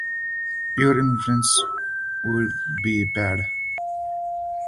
Your influence would be bad.